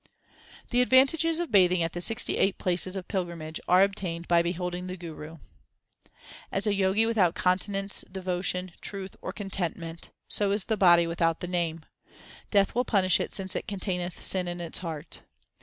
The advantages of bathing at the sixty eight places of pilgrimage are obtained by beholding the Guru: As a Jogi without continence, devotion, truth, or content ment, So is the body without the Name ; Death will punish it since it containeth sin in its heart.